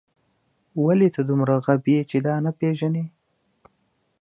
ولې ته دومره غبي یې چې دا نه پېژنې